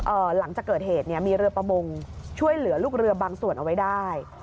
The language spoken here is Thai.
หลังจากเกิดเหตุเนี่ยมีเรือประมงช่วยเหลือลูกเรือบางส่วนเอาไว้ได้